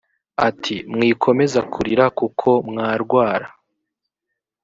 ati mwikomeza kurira kuko mwarwara